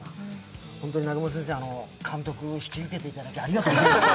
ホントに南雲先生、監督を引き受けていただきありがとうございます。